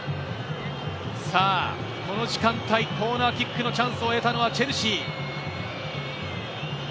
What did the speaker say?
この時間帯、コーナーキックのチャンスを得たのはチェルシー。